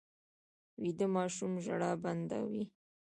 ویده ماشوم ژړا بنده وي